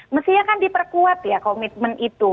mestinya kan diperkuat ya komitmen itu